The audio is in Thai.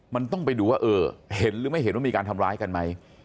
มันต้องไปดูว่าเออเห็นหรือไม่เห็นว่ามีการทำร้ายกันไหม